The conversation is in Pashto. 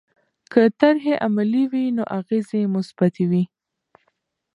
که طرحې علمي وي نو اغېزې یې مثبتې وي.